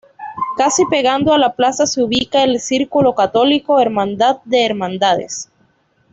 Casi pegando a la plaza se ubica el Círculo Católico, hermandad de hermandades.